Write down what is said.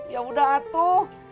ya udah atuh